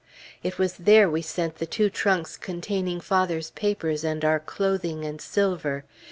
It was there we sent the two trunks containing father's papers and our clothing and silver.